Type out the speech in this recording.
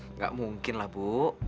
enggak mungkinlah bu